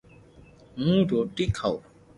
ھون روٽي کاو